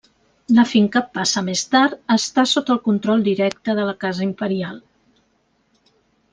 La finca passa més tard a estar sota el control directe de la casa imperial.